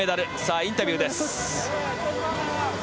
インタビューです。